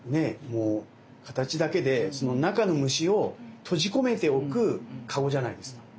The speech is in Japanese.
もう形だけでその中の虫を閉じ込めておくかごじゃないですか。